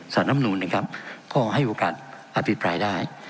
รำนูนนะครับก็ให้โอกาสอภิปรายได้